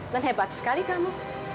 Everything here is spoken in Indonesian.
dan hebat sekali kamu